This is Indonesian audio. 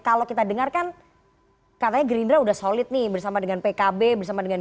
kalau kita dengar kan katanya gerindra sudah solid nih bersama dengan pkb bersama dengan